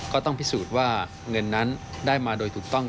ก็ต้องพิสูจน์ว่าเงินนั้นได้มาโดยถูกต้อง